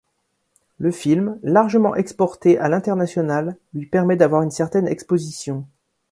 Le film, largement exporté à l'international, lui permet d'avoir une certaine exposition.